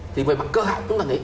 thì về mặt cơ hội chúng ta nghĩ